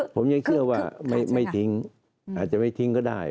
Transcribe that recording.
ผมยังเชื่อว่าไม่ทิ้งอาจจะไม่ทิ้งก็ได้